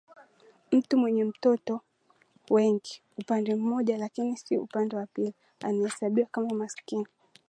Mtu mwenye watoto wengi upande mmoja lakini si upande wa pili anahesabiwa kama maskini